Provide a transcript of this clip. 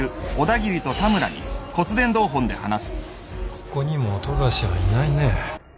ここにも富樫はいないね。